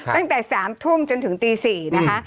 ตั้งแต่๓ทุ่มจนถึงตี๔นะคะ